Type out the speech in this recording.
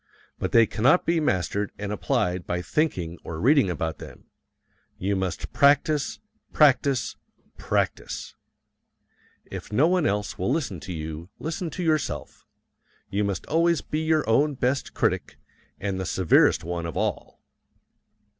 But they cannot be mastered and applied by thinking or reading about them you must practise, practise, PRACTISE. If no one else will listen to you, listen to yourself you must always be your own best critic, and the severest one of all.